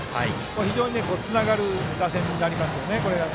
非常につながる打線になりますよね、これが。